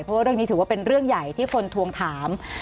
เพราะว่าเรื่องนี้ถือว่าเป็นเรื่องใหญ่ที่คนทวงถาม